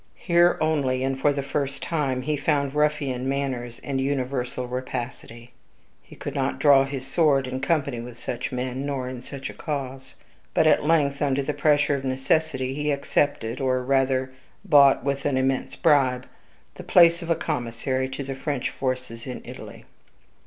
Here only, and for the first time, he found ruffian manners and universal rapacity. He could not draw his sword in company with such men, nor in such a cause. But at length, under the pressure of necessity, he accepted (or rather bought with an immense bribe) the place of a commissary to the French forces in Italy.